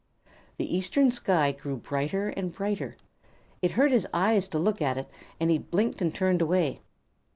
The eastern sky grew brighter and brighter. It hurt his eyes to look at it, and he blinked and turned away.